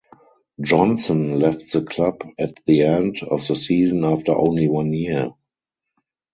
Johnsson left the club at the end of the season after only one year.